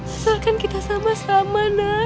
setelah kan kita sama sama nak